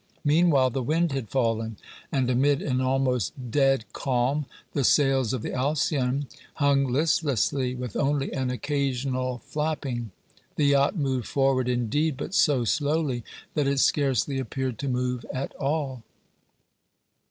Meanwhile the wind had fallen, and amid an almost dead calm the sails of the Alcyon hung listlessly, with only an occasional flapping. The yacht moved forward, indeed, but so slowly that it scarcely appeared to move at all.